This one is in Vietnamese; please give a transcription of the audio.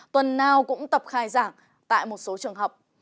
tuần nào cũng tập khai giảng tại một số trường học